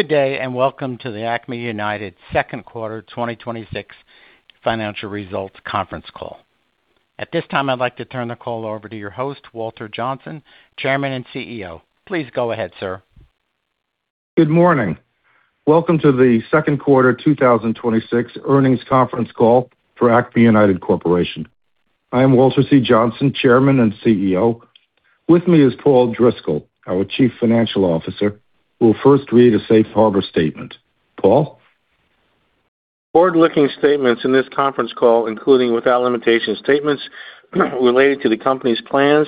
Good day. Welcome to the Acme United second quarter 2026 financial results conference call. At this time, I'd like to turn the call over to your host, Walter Johnsen, Chairman and CEO. Please go ahead, sir. Good morning. Welcome to the second quarter 2026 earnings conference call for Acme United Corporation. I am Walter C. Johnsen, Chairman and CEO. With me is Paul Driscoll, our Chief Financial Officer, who will first read a safe harbor statement. Paul? Forward-looking statements in this conference call, including, without limitation, statements related to the company's plans,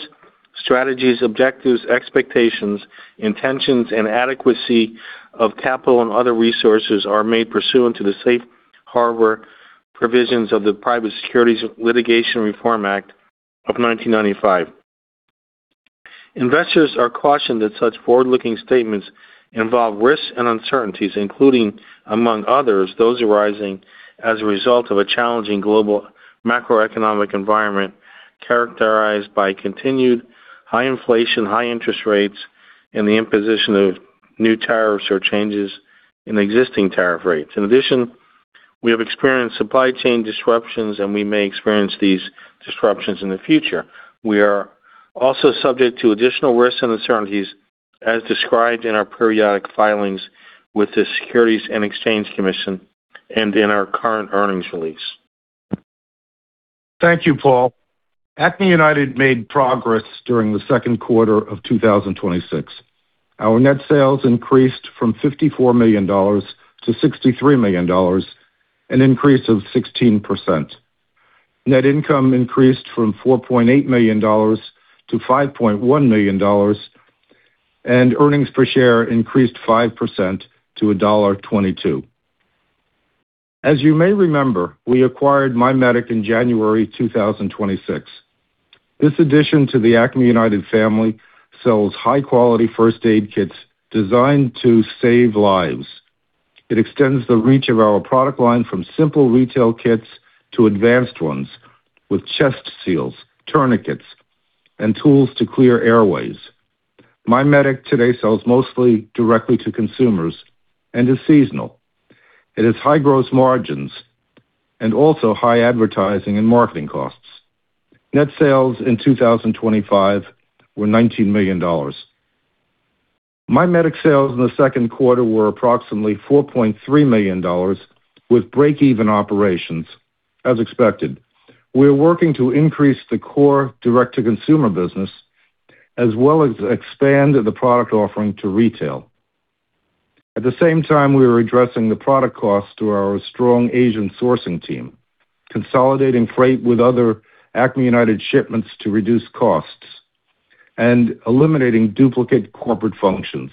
strategies, objectives, expectations, intentions, and adequacy of capital and other resources, are made pursuant to the safe harbor provisions of the Private Securities Litigation Reform Act of 1995. Investors are cautioned that such forward-looking statements involve risks and uncertainties, including, among others, those arising as a result of a challenging global macroeconomic environment characterized by continued high inflation, high interest rates, and the imposition of new tariffs or changes in existing tariff rates. In addition, we have experienced supply chain disruptions, and we may experience these disruptions in the future. We are also subject to additional risks and uncertainties as described in our periodic filings with the Securities and Exchange Commission and in our current earnings release. Thank you, Paul. Acme United made progress during the second quarter of 2026. Our net sales increased from $54 million to $63 million, an increase of 16%. Net income increased from $4.8 million to $5.1 million, and earnings per share increased 5% to $1.22. As you may remember, we acquired MyMedic in January 2026. This addition to the Acme United family sells high-quality first aid kits designed to save lives. It extends the reach of our product line from simple retail kits to advanced ones with chest seals, tourniquets, and tools to clear airways. MyMedic today sells mostly directly to consumers and is seasonal. It has high gross margins and also high advertising and marketing costs. Net sales in 2025 were $19 million. MyMedic sales in the second quarter were approximately $4.3 million, with break-even operations as expected. We are working to increase the core direct-to-consumer business, as well as expand the product offering to retail. At the same time, we are addressing the product cost through our strong Asian sourcing team, consolidating freight with other Acme United shipments to reduce costs, and eliminating duplicate corporate functions.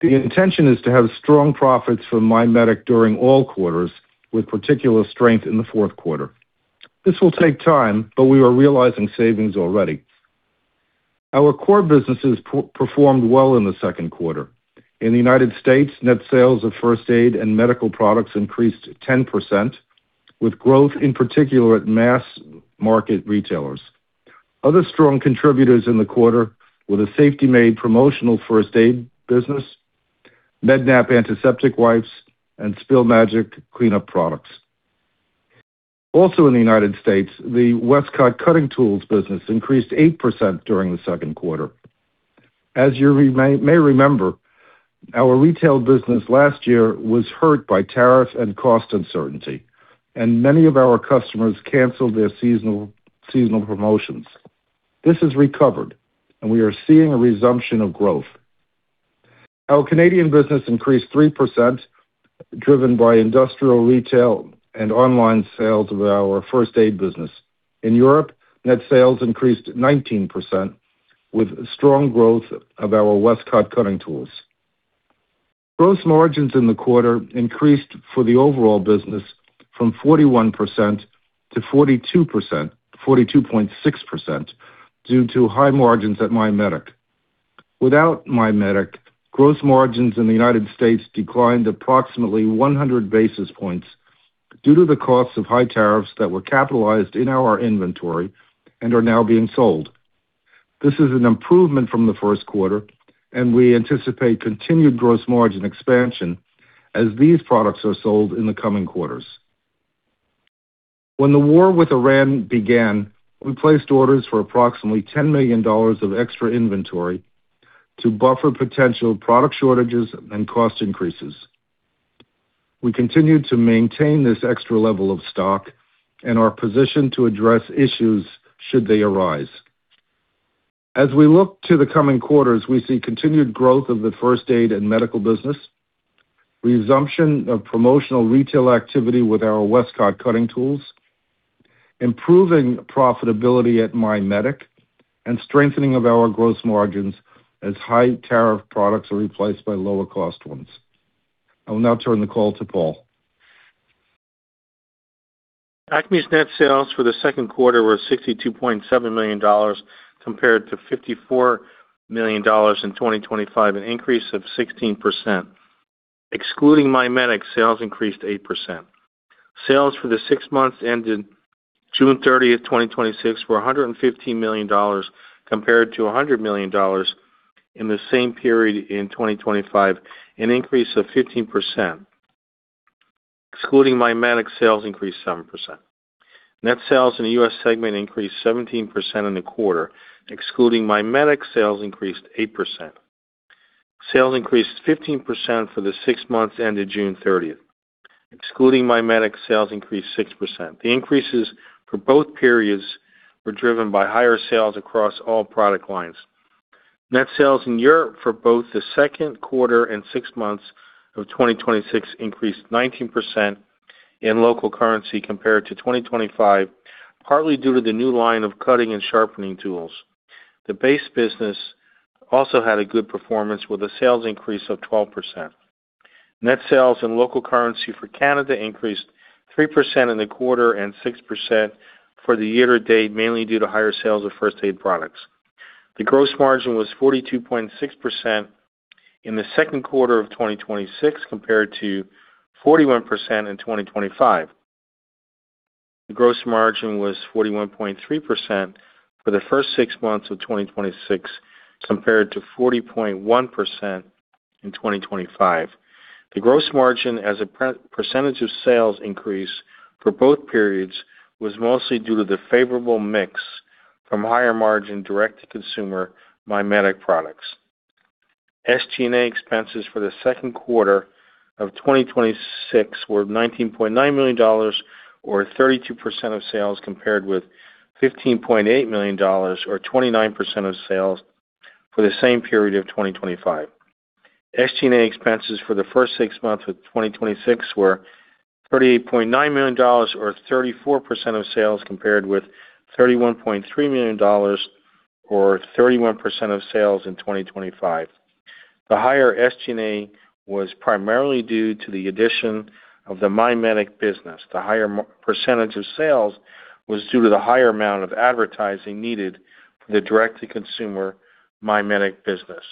The intention is to have strong profits for My Medic during all quarters, with particular strength in the fourth quarter. This will take time, but we are realizing savings already. Our core businesses performed well in the second quarter. In the U.S., net sales of first aid and medical products increased 10%, with growth in particular at mass market retailers. Other strong contributors in the quarter were the Safety Made promotional first aid business, Med-Nap antiseptic wipes, and Spill Magic cleanup products. Also, in the U.S., the Westcott Cutting Tools business increased 8% during the second quarter. As you may remember, our retail business last year was hurt by tariffs and cost uncertainty, and many of our customers canceled their seasonal promotions. This has recovered, and we are seeing a resumption of growth. Our Canadian business increased 3%, driven by industrial, retail, and online sales of our first aid business. In Europe, net sales increased 19%, with strong growth of our Westcott Cutting Tools. Gross margins in the quarter increased for the overall business from 41% to 42.6% due to high margins at My Medic. Without My Medic, gross margins in the U.S. declined approximately 100 basis points due to the cost of high tariffs that were capitalized in our inventory and are now being sold. This is an improvement from the first quarter, and we anticipate continued gross margin expansion as these products are sold in the coming quarters. When the war with Iran began, we placed orders for approximately $10 million of extra inventory to buffer potential product shortages and cost increases. We continue to maintain this extra level of stock and are positioned to address issues should they arise. As we look to the coming quarters, we see continued growth of the first aid and medical business, resumption of promotional retail activity with our Westcott Cutting Tools, improving profitability at My Medic, and strengthening of our gross margins as high-tariff products are replaced by lower-cost ones. I will now turn the call to Paul. Acme's net sales for the second quarter were $62.7 million compared to $54 million in 2025, an increase of 16%. Excluding My Medic, sales increased 8%. Sales for the six months ended June 30th, 2026 were $115 million compared to $100 million in the same period in 2025, an increase of 15%. Excluding My Medic, sales increased 7%. Net sales in the U.S. segment increased 17% in the quarter. Excluding My Medic, sales increased 8%. Sales increased 15% for the six months ended June 30th. Excluding My Medic, sales increased 6%. The increases for both periods were driven by higher sales across all product lines. Net sales in Europe for both the second quarter and six months of 2026 increased 19% in local currency compared to 2025, partly due to the new line of cutting and sharpening tools. The base business also had a good performance with a sales increase of 12%. Net sales in local currency for Canada increased 3% in the quarter and 6% for the year-to-date, mainly due to higher sales of first aid products. The gross margin was 42.6% in the second quarter of 2026 compared to 41% in 2025. The gross margin was 41.3% for the first six months of 2026 compared to 40.1% in 2025. The gross margin as a percentage of sales increase for both periods was mostly due to the favorable mix from higher margin direct-to-consumer My Medic products. SG&A expenses for the second quarter of 2026 were $19.9 million or 32% of sales compared with $15.8 million or 29% of sales for the same period of 2025. SG&A expenses for the first six months of 2026 were $38.9 million or 34% of sales compared with $31.3 million or 31% of sales in 2025. The higher SG&A was primarily due to the addition of the My Medic business. The higher percentage of sales was due to the higher amount of advertising needed for the direct-to-consumer My Medic business.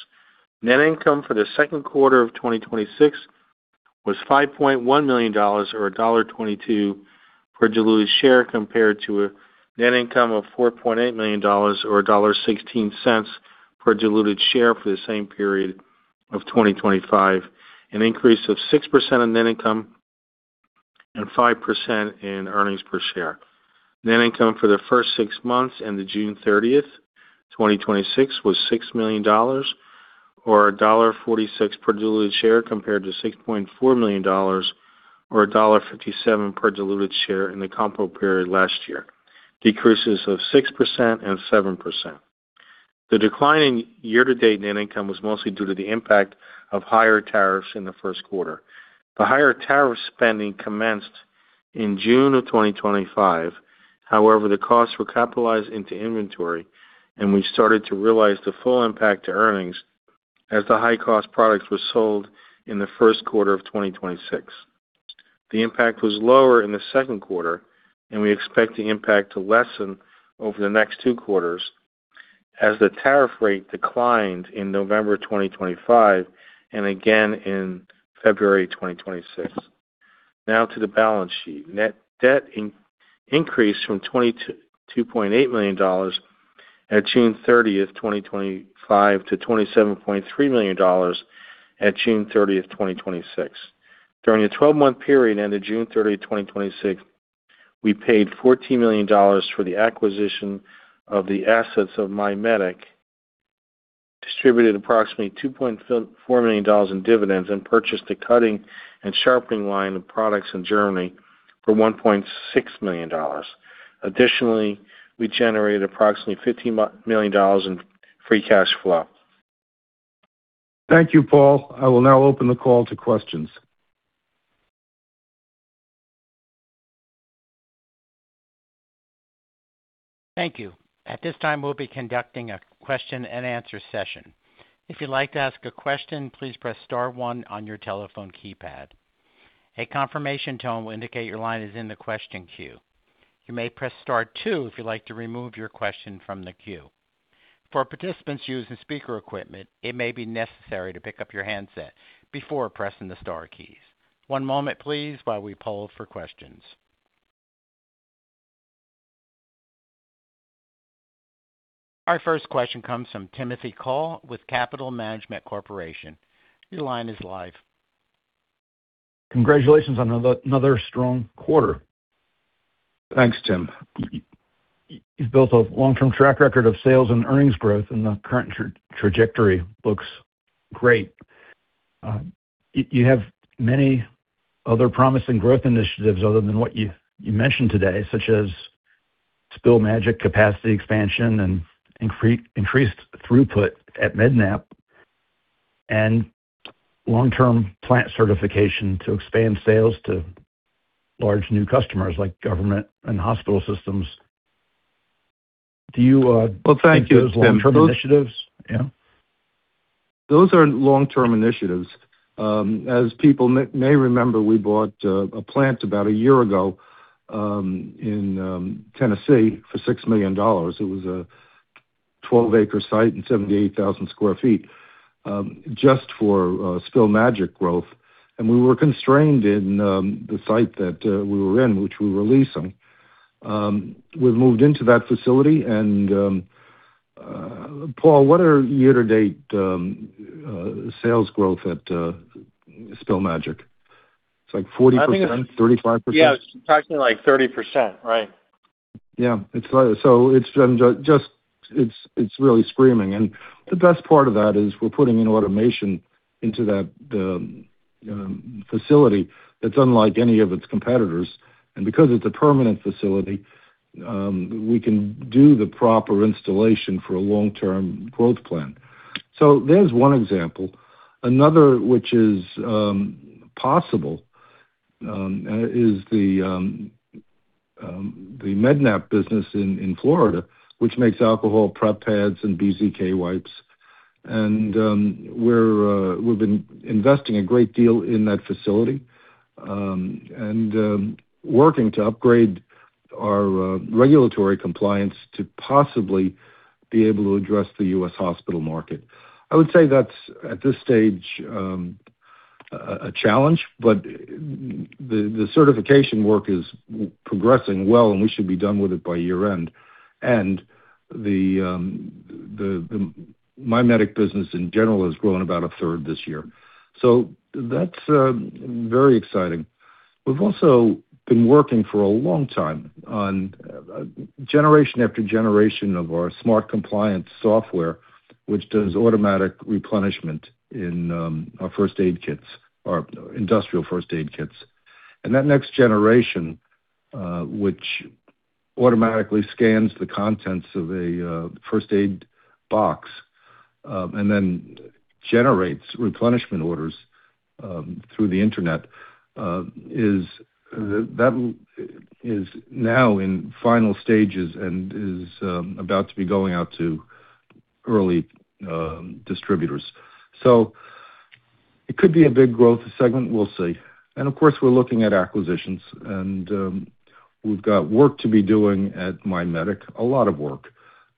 Net income for the second quarter of 2026 was $5.1 million or $1.22 per diluted share compared to a net income of $4.8 million or $1.16 per diluted share for the same period of 2025, an increase of 6% in net income and 5% in earnings per share. Net income for the first six months ended June 30th, 2026 was $6 million or $1.46 per diluted share compared to $6.4 million or $1.57 per diluted share in the comparable period last year, decreases of 6% and 7%. The decline in year-to-date net income was mostly due to the impact of higher tariffs in the first quarter. The higher tariff spending commenced in June of 2025. The costs were capitalized into inventory, and we started to realize the full impact to earnings as the high-cost products were sold in the first quarter of 2026. The impact was lower in the second quarter, and we expect the impact to lessen over the next two quarters as the tariff rate declined in November 2025 and again in February 2026. To the balance sheet. Net debt increased from $22.8 million at June 30th, 2025 to $27.3 million at June 30th, 2026. During the 12-month period ended June 30th, 2026, we paid $14 million for the acquisition of the assets of My Medic, distributed approximately $2.4 million in dividends, and purchased a cutting and sharpening line of products in Germany for $1.6 million. We generated approximately $15 million in free cash flow. Thank you, Paul. I will now open the call to questions. Thank you. At this time, we'll be conducting a question and answer session. If you'd like to ask a question, please press star one on your telephone keypad. A confirmation tone will indicate your line is in the question queue. You may press star two if you'd like to remove your question from the queue. For participants using speaker equipment, it may be necessary to pick up your handset before pressing the star keys. One moment please while we poll for questions. Our first question comes from Timothy Call with Capital Management Corporation. Your line is live. Congratulations on another strong quarter. Thanks, Tim. You've built a long-term track record of sales and earnings growth, the current trajectory looks great. You have many other promising growth initiatives other than what you mentioned today, such as Spill Magic capacity expansion and increased throughput at Med-Nap, and long-term plant certification to expand sales to large new customers like government and hospital systems. Well, thank you, Tim think those are long-term initiatives? Yeah. Those are long-term initiatives. As people may remember, we bought a plant about a year ago in Tennessee for $6 million. It was a.. 12-acre site and 78,000 sq ft just for Spill Magic growth. we were constrained in the site that we were in, which we're leasing. We've moved into that facility. Paul, what are year-to-date sales growth at Spill Magic? It's like 40%- I think. 35%? Yeah, it's actually like 30%. Right. Yeah. It's really screaming. The best part of that is we're putting in automation into the facility that's unlike any of its competitors. Because it's a permanent facility, we can do the proper installation for a long-term growth plan. There's one example. Another which is possible, is the Med-Nap business in Florida, which makes alcohol prep pads and BZK wipes. We've been investing a great deal in that facility, and working to upgrade our regulatory compliance to possibly be able to address the U.S. hospital market. I would say that's, at this stage, a challenge, but the certification work is progressing well, and we should be done with it by year-end. The My Medic business, in general, has grown about a third this year. That's very exciting. We've also been working for a long time on generation after generation of our smart compliance software, which does automatic replenishment in our first aid kits or industrial first aid kits. That next generation, which automatically scans the contents of a first aid box, then generates replenishment orders through the internet, that is now in final stages and is about to be going out to early distributors. It could be a big growth segment. We'll see. Of course, we're looking at acquisitions, and we've got work to be doing at My Medic, a lot of work.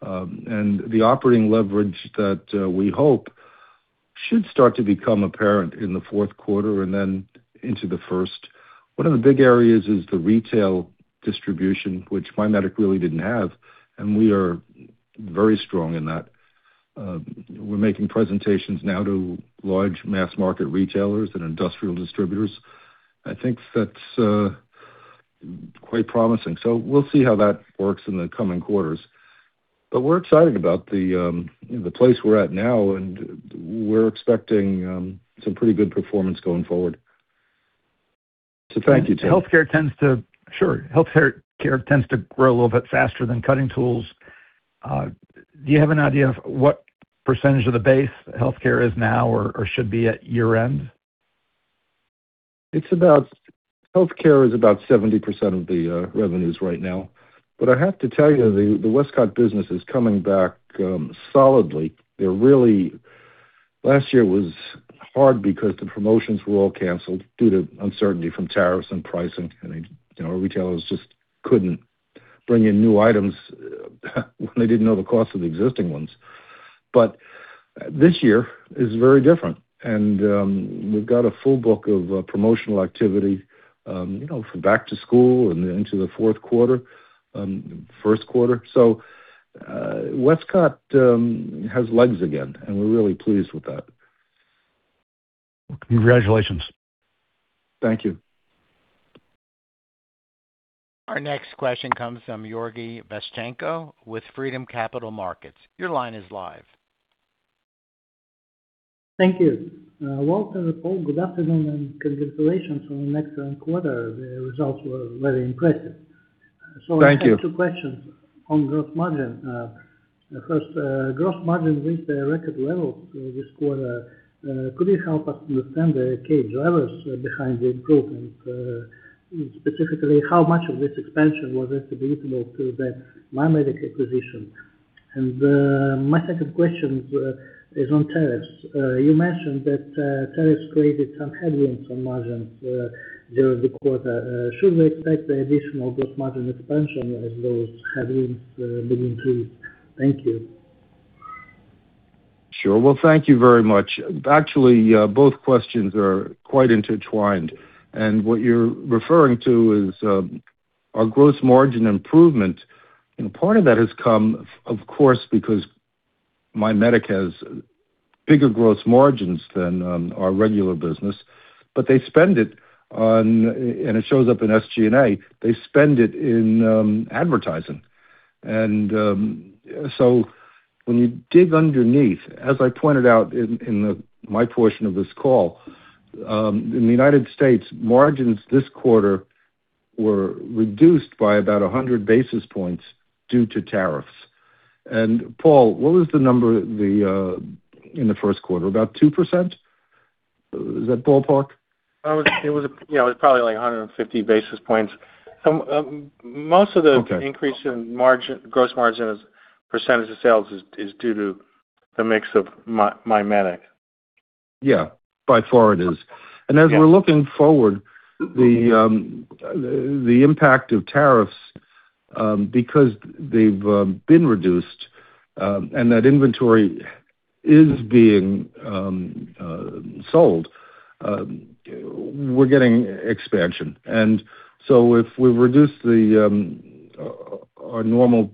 The operating leverage that we hope should start to become apparent in the fourth quarter and then into the first. One of the big areas is the retail distribution, which My Medic really didn't have, and we are very strong in that. We're making presentations now to large mass market retailers and industrial distributors. I think that's quite promising. We'll see how that works in the coming quarters. We're excited about the place we're at now, and we're expecting some pretty good performance going forward. Thank you, Tim. Sure. Healthcare tends to grow a little bit faster than cutting tools. Do you have an idea of what percentage of the base healthcare is now or should be at year-end? Healthcare is about 70% of the revenues right now. I have to tell you, the Westcott business is coming back solidly. Last year was hard because the promotions were all canceled due to uncertainty from tariffs and pricing, and our retailers just couldn't bring in new items when they didn't know the cost of the existing ones. This year is very different. We've got a full book of promotional activity from back to school and into the fourth quarter, first quarter. Westcott has legs again, and we're really pleased with that. Congratulations. Thank you. Our next question comes from Georgy Vashchenko with Freedom Capital Markets. Your line is live. Thank you. Walter, Paul, good afternoon, congratulations on an excellent quarter. The results were very impressive. Thank you. I have two questions on gross margin. First, gross margin reached a record level this quarter. Could you help us understand the key drivers behind the improvement? Specifically, how much of this expansion was attributable to the My Medic acquisition? My second question is on tariffs. You mentioned that tariffs created some headwinds on margins during the quarter. Should we expect the additional gross margin expansion as those headwinds being increased? Thank you. Sure. Well, thank you very much. Actually, both questions are quite intertwined. What you're referring to is our gross margin improvement, and part of that has come, of course, because My Medic has bigger gross margins than our regular business. They spend it on, and it shows up in SG&A. They spend it in advertising. When you dig underneath, as I pointed out in my portion of this call, in the U.S., margins this quarter were reduced by about 100 basis points due to tariffs. Paul, what was the number in the first quarter? About 2%? Is that ballpark? It was probably like 150 basis points. Okay. Most of the increase in gross margin as a percentage of sales is due to the mix of My Medic. Yeah, by far it is. As we're looking forward, the impact of tariffs, because they've been reduced and that inventory is being sold, we're getting expansion. If we reduce our normal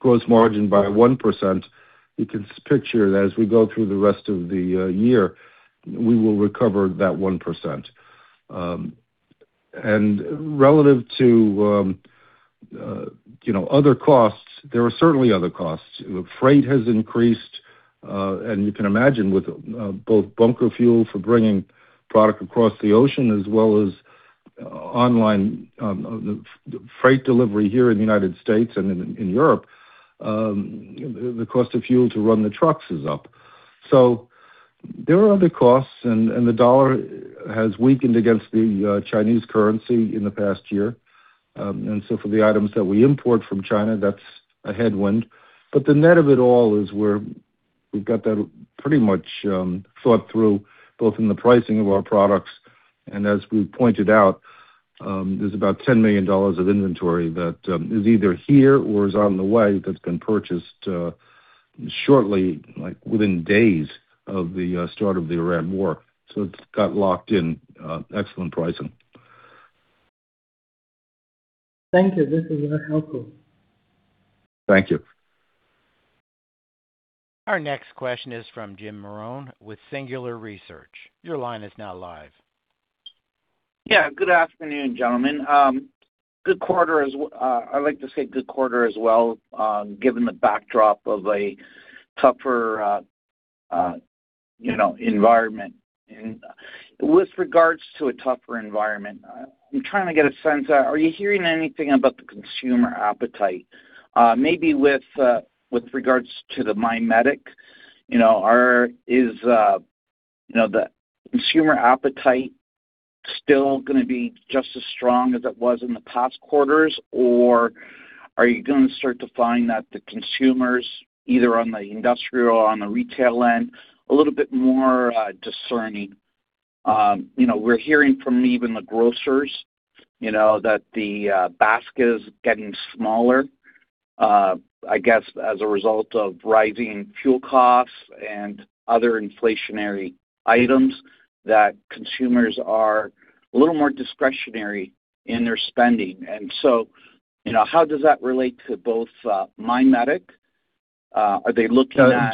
gross margin by 1%, you can picture that as we go through the rest of the year, we will recover that 1%. Relative to other costs, there are certainly other costs. Freight has increased, you can imagine with both bunker fuel for bringing product across the ocean as well as online freight delivery here in the U.S. and in Europe, the cost of fuel to run the trucks is up. There are other costs, the dollar has weakened against the Chinese currency in the past year. For the items that we import from China, that's a headwind. The net of it all is we've got that pretty much thought through, both in the pricing of our products, as we pointed out, there's about $10 million of inventory that is either here or is on the way that's been purchased shortly, like within days of the start of the Arab war. It's got locked in excellent pricing. Thank you. This is very helpful. Thank you. Our next question is from Jim Marrone with Singular Research. Your line is now live. Yeah, good afternoon, gentlemen. I'd like to say good quarter as well, given the backdrop of a tougher environment. With regards to a tougher environment, I'm trying to get a sense, are you hearing anything about the consumer appetite? Maybe with regards to the My Medic, is the consumer appetite still going to be just as strong as it was in the past quarters? Are you going to start to find that the consumers, either on the industrial or on the retail end, a little bit more discerning? We're hearing from even the grocers that the basket is getting smaller, I guess as a result of rising fuel costs and other inflationary items, that consumers are a little more discretionary in their spending. How does that relate to both My Medic?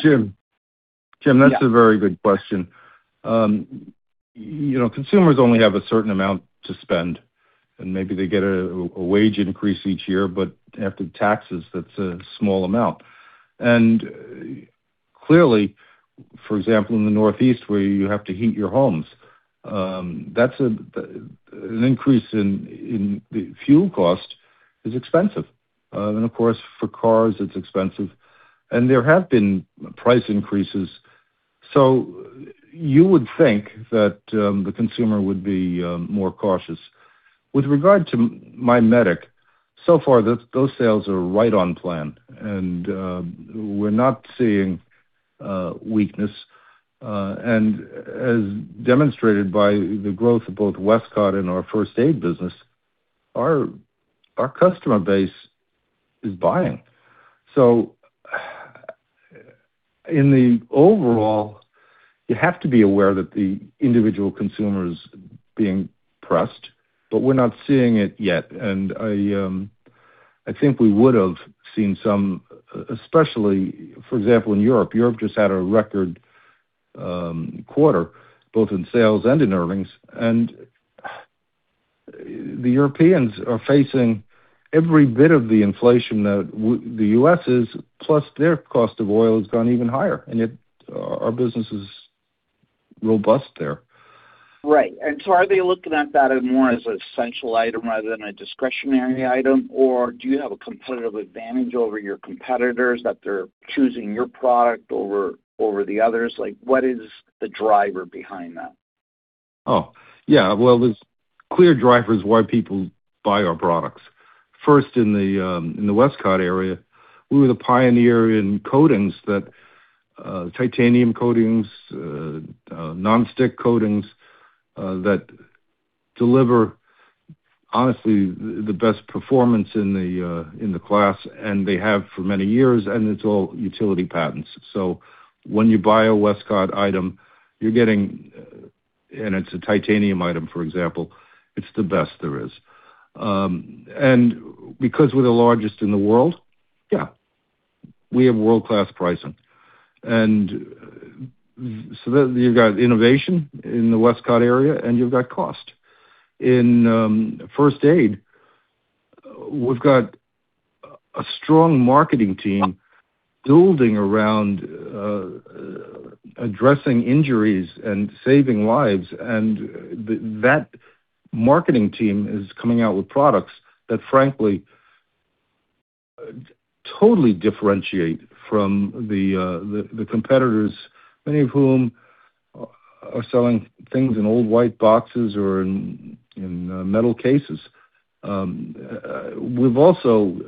Jim, that's a very good question. Consumers only have a certain amount to spend, and maybe they get a wage increase each year, but after taxes, that's a small amount. Clearly, for example, in the Northeast, where you have to heat your homes, an increase in fuel cost is expensive. Of course, for cars, it's expensive. There have been price increases. You would think that the consumer would be more cautious. With regard to My Medic, so far, those sales are right on plan, and we're not seeing weakness. As demonstrated by the growth of both Westcott and our first aid business, our customer base is buying. In the overall, you have to be aware that the individual consumer is being pressed, but we're not seeing it yet. I think we would have seen some, especially, for example, in Europe. Europe just had a record quarter, both in sales and in earnings, yet the Europeans are facing every bit of the inflation that the U.S. is, plus their cost of oil has gone even higher. Yet our business is robust there. Right. Are they looking at that as more as an essential item rather than a discretionary item? Or do you have a competitive advantage over your competitors that they're choosing your product over the others? What is the driver behind that? Oh, yeah. Well, there's clear drivers why people buy our products. First, in the Westcott area, we were the pioneer in coatings, titanium coatings, non-stick coatings, that deliver, honestly, the best performance in the class, and they have for many years, and it's all utility patents. When you buy a Westcott item, and it's a titanium item, for example, it's the best there is. Because we're the largest in the world, yeah, we have world-class pricing. You've got innovation in the Westcott area, and you've got cost. In first aid, we've got a strong marketing team building around addressing injuries and saving lives. That marketing team is coming out with products that frankly, totally differentiate from the competitors, many of whom are selling things in old white boxes or in metal cases. We've also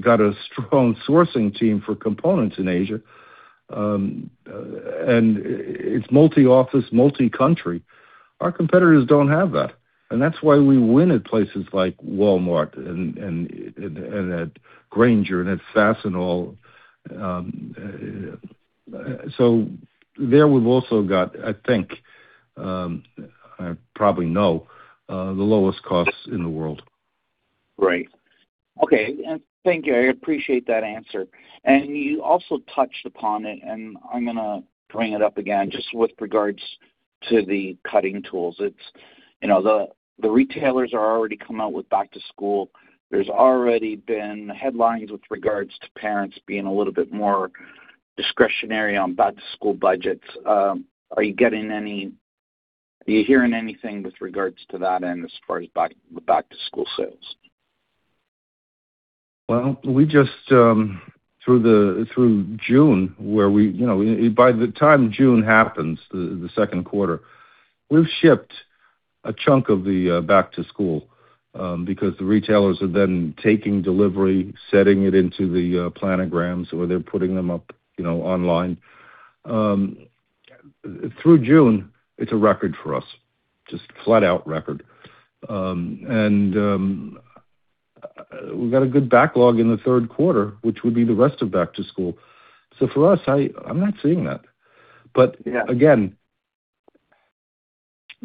got a strong sourcing team for components in Asia. It's multi-office, multi-country. Our competitors don't have that, and that's why we win at places like Walmart and at Grainger and at Fastenal. There we've also got, I think, I probably know, the lowest costs in the world. Right. Okay. Thank you. I appreciate that answer. You also touched upon it, and I'm going to bring it up again just with regards to the cutting tools. The retailers are already coming out with back to school. There's already been headlines with regards to parents being a little bit more discretionary on back-to-school budgets. Are you hearing anything with regards to that end as far as the back-to-school sales? Through June, by the time June happens, the second quarter, we've shipped a chunk of the back to school because the retailers are then taking delivery, setting it into the planograms, or they're putting them up online. Through June, it's a record for us. Just flat out record. We've got a good backlog in the third quarter, which would be the rest of back to school. For us, I'm not seeing that. Again,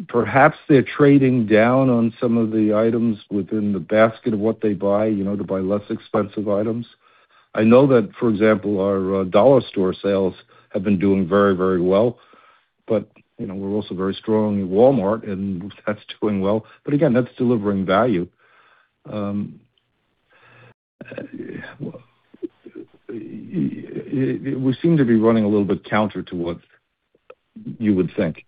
perhaps they're trading down on some of the items within the basket of what they buy, to buy less expensive items. I know that, for example, our dollar store sales have been doing very, very well. We're also very strong at Walmart, and that's doing well. Again, that's delivering value. We seem to be running a little bit counter to what you would think.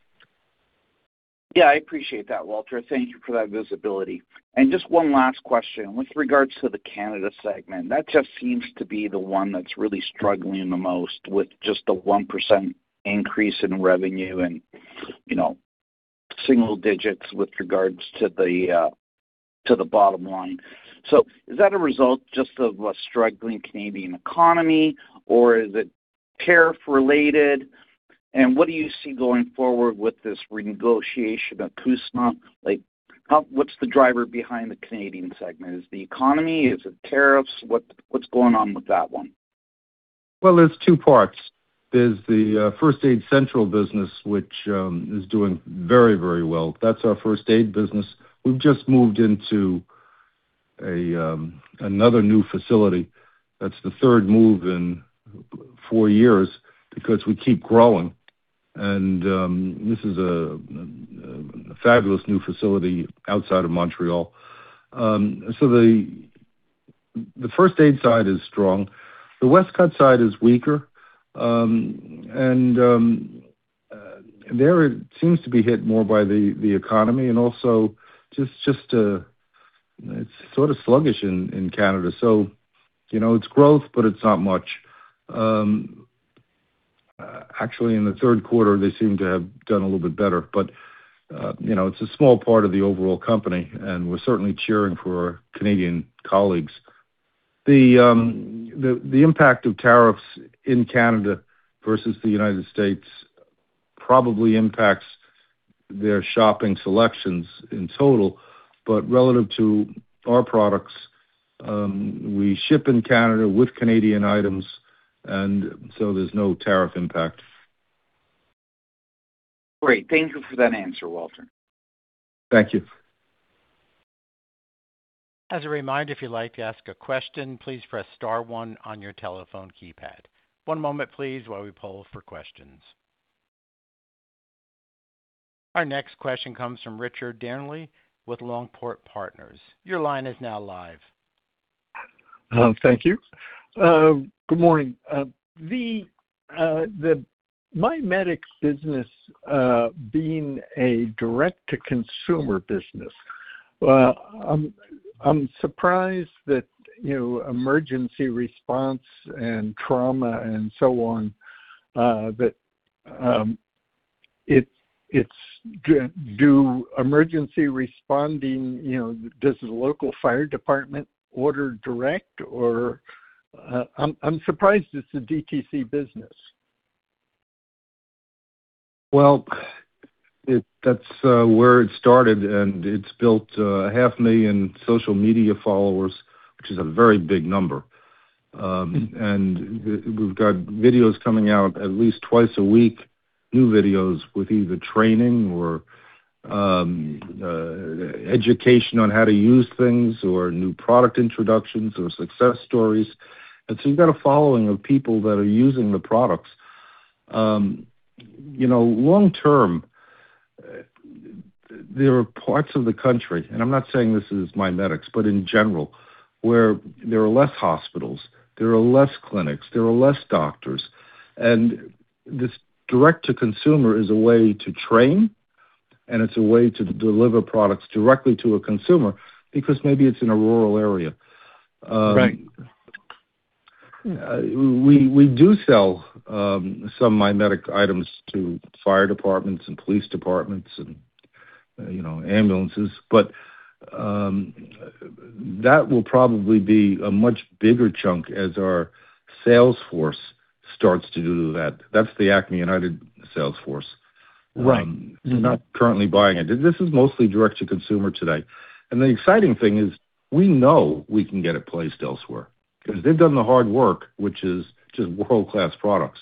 I appreciate that, Walter. Thank you for that visibility. Just one last question. With regards to the Canada segment, that just seems to be the one that's really struggling the most with just a 1% increase in revenue and single digits with regards to the bottom line. Is that a result just of a struggling Canadian economy, or is it tariff-related? What do you see going forward with this renegotiation of CUSMA? What's the driver behind the Canadian segment? Is it the economy? Is it tariffs? What's going on with that one? There's two parts. There's the First Aid Central business, which is doing very, very well. That's our first aid business. We've just moved into another new facility. That's the third move in four years because we keep growing. This is a fabulous new facility outside of Montreal. The first aid side is strong. The Westcott side is weaker. There it seems to be hit more by the economy and also just it's sort of sluggish in Canada. It's growth, but it's not much. Actually, in the third quarter, they seem to have done a little bit better, but it's a small part of the overall company, and we're certainly cheering for our Canadian colleagues. The impact of tariffs in Canada versus the U.S. probably impacts their shopping selections in total. Relative to our products, we ship in Canada with Canadian items, there's no tariff impact. Great. Thank you for that answer, Walter. Thank you. As a reminder, if you'd like to ask a question, please press star one on your telephone keypad. One moment please, while we poll for questions. Our next question comes from Richard Dearnley with Longport Partners. Your line is now live. Thank you. Good morning. The My Medic business, being a direct-to-consumer business, I'm surprised that emergency response and trauma and so on, but do emergency responding, does the local fire department order direct? I'm surprised it's a DTC business. That's where it started, it's built a half million social media followers, which is a very big number. We've got videos coming out at least twice a week, new videos with either training or education on how to use things or new product introductions or success stories. So you've got a following of people that are using the products. Long-term, there are parts of the country, I'm not saying this is My Medic, but in general, where there are less hospitals, there are less clinics, there are less doctors. This direct-to-consumer is a way to train, it's a way to deliver products directly to a consumer because maybe it's in a rural area. Right. We do sell some My Medic items to fire departments and police departments and ambulances, but that will probably be a much bigger chunk as our sales force starts to do that. That's the Acme United sales force. Right. They're not currently buying it. This is mostly direct-to-consumer today. The exciting thing is, we know we can get it placed elsewhere, because they've done the hard work, which is just world-class products.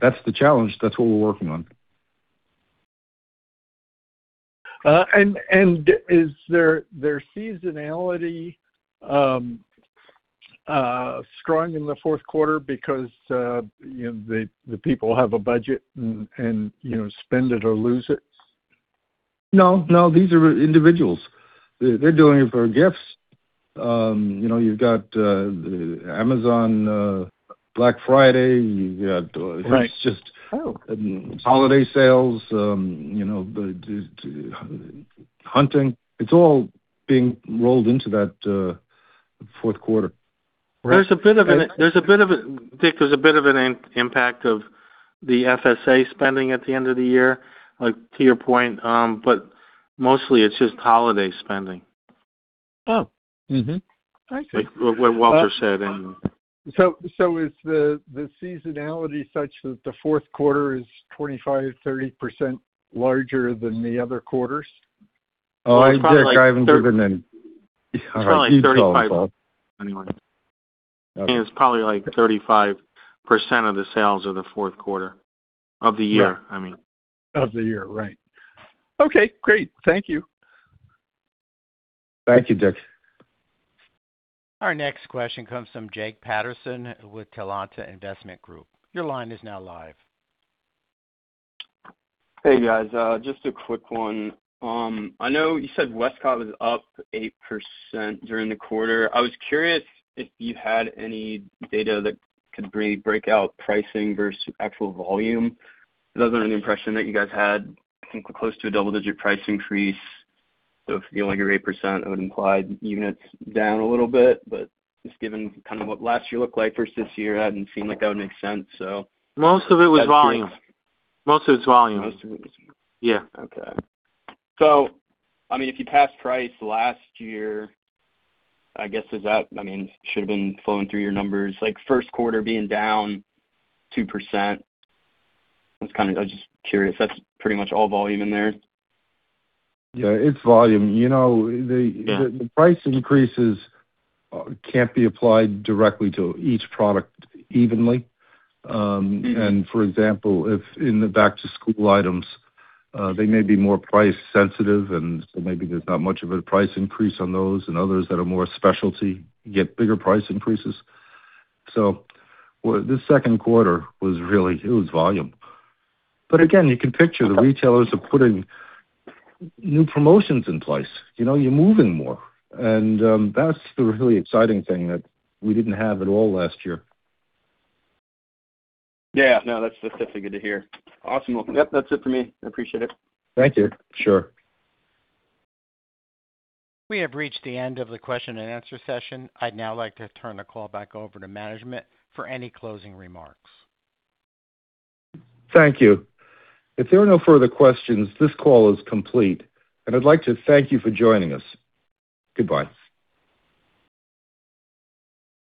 That's the challenge. That's what we're working on. Is their seasonality strong in the fourth quarter because the people have a budget and spend it or lose it? No. These are individuals. They're doing it for gifts. You've got Amazon Black Friday. Right. It's just- Oh. ..holiday sales, hunting. It's all being rolled into that fourth quarter. Right. There's a bit of an impact of the FSA spending at the end of the year, like to your point, but mostly it's just holiday spending. Oh. Mm-hmm. I see. Like what Walter said. Is the seasonality such that the fourth quarter is 25%-30% larger than the other quarters? Oh, I think they're driving given then. It's probably 35, anyway. It's probably like 35% of the sales of the fourth quarter of the year, I mean. Of the year, right. Okay, great. Thank you. Thank you, Richard. Our next question comes from Jake Patterson with Talanta Investment Group. Your line is now live. Hey, guys. Just a quick one. I know you said Westcott was up 8% during the quarter. I was curious if you had any data that could break out pricing versus actual volume. I was under the impression that you guys had, I think, close to a double-digit price increase. If you only get 8%, it would imply units down a little bit. Just given kind of what last year looked like versus this year, it hadn't seemed like that would make sense, so. Most of it was volume. Most of it's volume. Most of it is volume. Yeah. Okay. If you pass price last year, I guess that should have been flowing through your numbers, like first quarter being down 2%. I was just curious, that's pretty much all volume in there? Yeah, it's volume. Yeah. The price increases can't be applied directly to each product evenly. For example, if in the back-to-school items, they may be more price sensitive, maybe there's not much of a price increase on those, and others that are more specialty get bigger price increases. This second quarter it was volume. Again, you can picture the retailers are putting new promotions in place. You're moving more. That's the really exciting thing that we didn't have at all last year. Yeah, no, that's definitely good to hear. Awesome. Yep, that's it for me. I appreciate it. Thank you. Sure. We have reached the end of the question and answer session. I'd now like to turn the call back over to management for any closing remarks. Thank you. If there are no further questions, this call is complete, and I'd like to thank you for joining us. Goodbye.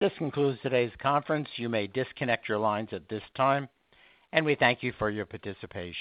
This concludes today's conference. You may disconnect your lines at this time, and we thank you for your participation.